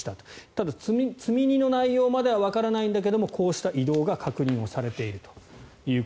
ただ、積み荷の内容まではわからないんだけどこうした移動が確認されていると。